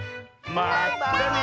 まったね！